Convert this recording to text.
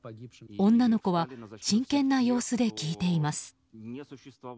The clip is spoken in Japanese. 女の子は真剣な様子で聞いています。